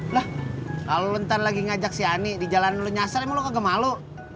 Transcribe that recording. lah kalo lo ntar lagi ngajak si ani di jalan lo nyasar emang lo kagak malu